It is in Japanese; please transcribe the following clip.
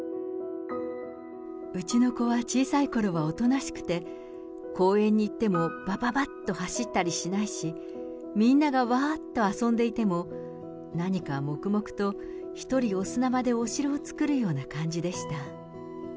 うちの子は小さい頃はおとなしくて、公園に行っても、ばばばっと走ったりしないし、みんながわーっと遊んでいても、何か黙々と、一人お砂場でお城を作るような感じでした。